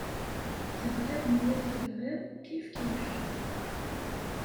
Tebɣiḍ neɣ ur tebɣiḍ, kifkif.